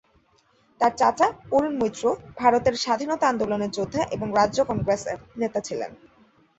তার চাচা অরুণ মৈত্র ভারতের স্বাধীনতা আন্দোলনের যোদ্ধা এবং রাজ্য কংগ্রেসের নেতা ছিলেন।